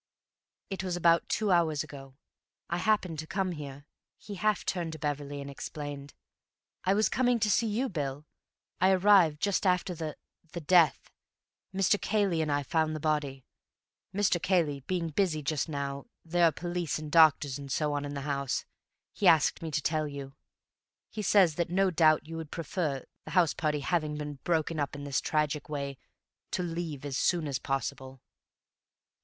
"It was about two hours ago. I happened to come here,"—he half turned to Beverley and explained—"I was coming to see you, Bill, and I arrived just after the—the death. Mr. Cayley and I found the body. Mr. Cayley being busy just now—there are police and doctors and so on in the house—he asked me to tell you. He says that no doubt you would prefer, the house party having been broken up in this tragic way, to leave as soon as possible."